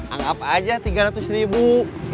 anggap aja tiga ratus ribu